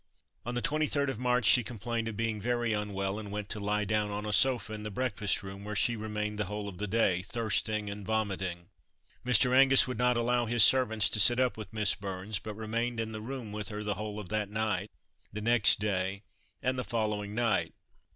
On the 23rd of March she complained of being very unwell, and went to lie down on a sofa in the breakfast room where she remained the whole of the day, thirsting and vomiting. Mr. Angus would not allow his servants to sit up with Miss Burns, but remained in the room with her the whole of that night, the next day, and the following night.